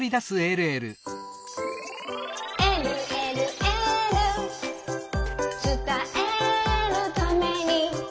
「えるえるエール」「つたえるために」